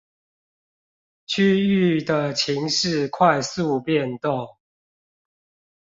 區域的情勢快速變動